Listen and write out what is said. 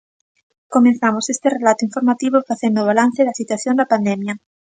Comezamos este relato informativo facendo balance da situación da pandemia.